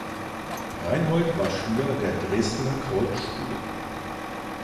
Reinhold war Schüler der Dresdner Kreuzschule.